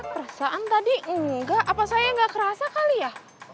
perasaan tadi enggak apa saya enggak kerasa kali ya